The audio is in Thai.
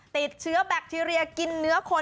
ติดเชื้อแบคทีเรียกินเนื้อคน